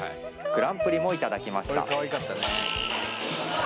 グランプリもいただきました